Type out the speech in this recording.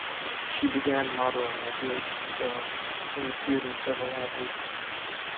She began modelling at the age of four, and appeared in several adverts.